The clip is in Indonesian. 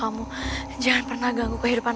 aku mau ke rumah